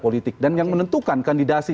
politik dan yang menentukan kandidasi